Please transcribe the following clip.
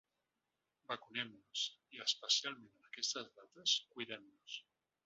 Vacunem-nos i especialment en aquestes dates, cuidem-nos!